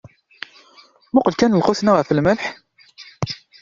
Muqel kan lqut-nni ɣef lmelḥ.